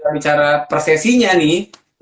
bicara prosesinya nih